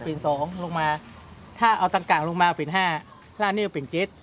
เป็นสองลงมาถ้าเอาตั้งกลางลงมาเป็นห้านี่เป็นเจ็ด